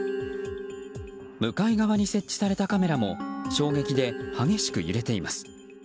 向かい側に設置されたカメラも衝撃で激しく揺れています。